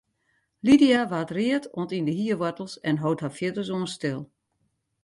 Lydia waard read oant yn de hierwoartels en hold har fierdersoan stil.